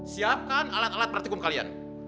siapkan alat alat pertikkum kalian